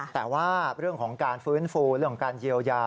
แต่ว่าเรื่องของการฟื้นฟูเรื่องของการเยียวยา